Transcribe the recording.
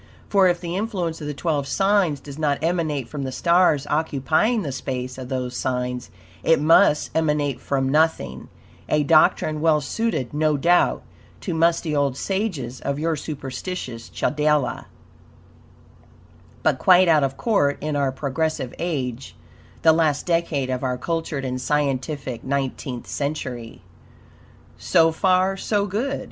For, if the influence of the twelve signs does not emanate from the stars occupying the space of those signs, it must emanate from nothing a doctrine well suited, no doubt, to musty old sages of your superstitious Chaldea, but quite out of court in our progressive age the last decade of our cultured and scientific nineteenth century. So far, so good.